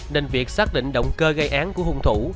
nên việc xác định động cơ gây án của hung thủ